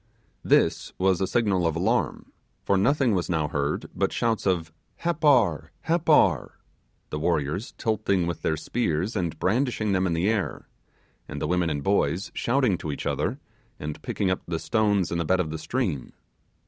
This was a signal of alarm; for nothing was now heard but shouts of 'Happar! Happar!' the warriors tilting with their spears and brandishing them in the air, and the women and boys shouting to each other, and picking up the stones in the bed of the stream.